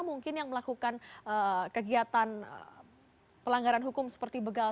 mungkin yang melakukan kegiatan pelanggaran hukum seperti begal